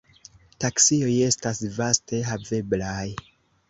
Taksioj estas vaste haveblaj.